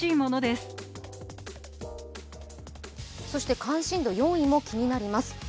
そして関心度４位も気になります。